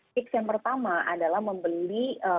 fiks yang pertama adalah membeli bentuk